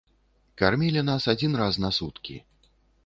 Кармілі нас адзін раз на суткі.